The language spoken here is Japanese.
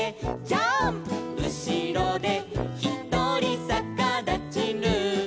「うしろでひとりさかだちルー」